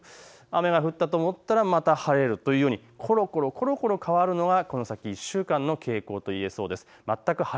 雨が降ったと思ったらまた晴れるというような、ころころ変わるのがこの先の１週間の傾向と言えそうです。